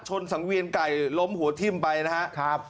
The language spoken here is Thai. สังเวียนไก่ล้มหัวทิ้มไปนะครับ